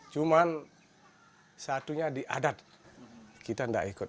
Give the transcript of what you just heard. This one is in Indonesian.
cuman satunya di adat kita tidak ikut